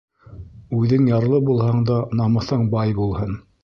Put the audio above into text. Үҙең ярлы булһаң да, намыҫың бай булһын.